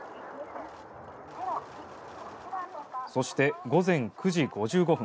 そして、午前９時５５分